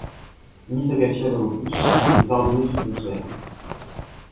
Miss Acacia le repousse et part donner son concert.